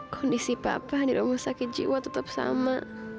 kondisi papa di rumah sakit jiwa tetap sama